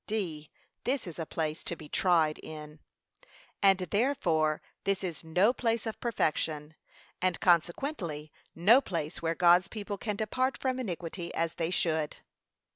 (d.) This is a place to be tried in. And therefore this is no place of perfection, and consequently no place where God's people can depart from iniquity as they should.